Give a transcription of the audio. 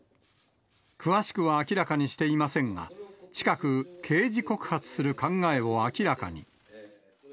詳しくは明らかにしていませんが、近く刑事告発する考えを明らかに。